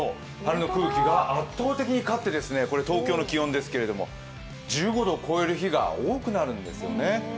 春の空気が圧倒的に勝って、これ東京の気温ですけれども１５度を超える日が多くなるんですよね。